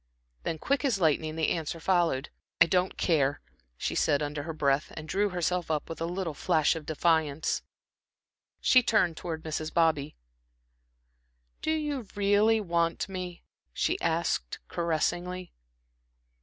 Then, quick as lightning, the answer followed. "I don't care," she said, under her breath, and drew herself up with a little flash of defiance. She turned towards Mrs. Bobby. "Do you really want me?" she asked, caressingly.